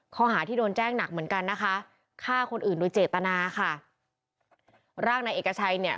ข้อหาที่โดนแจ้งหนักเหมือนกันนะคะฆ่าคนอื่นโดยเจตนาค่ะร่างนายเอกชัยเนี่ย